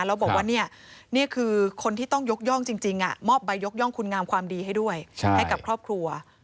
แล้วบอกว่านี่คือคนที่ต้องยกย่องจริงมอบใบยกย่องคุณงามความดีให้ด้วยให้กับครอบครัว